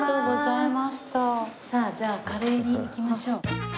さあじゃあカレーに行きましょう。